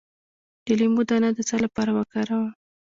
د لیمو دانه د څه لپاره وکاروم؟